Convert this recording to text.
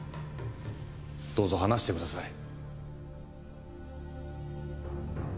どうぞ話してください。